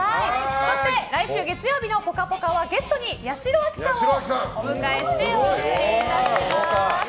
そして来週月曜日の「ぽかぽか」はゲストに八代亜紀さんをお迎えしてお送りします。